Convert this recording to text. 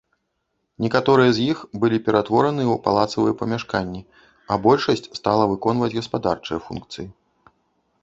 Некаторыя з іх былі ператвораныя ў палацавыя памяшканні, а большасць стала выконваць гаспадарчыя функцыі.